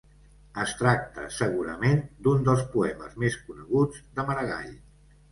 Es tracta, segurament, d'un dels poemes més coneguts de Maragall.